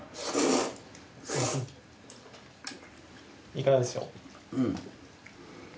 いかがでしょう？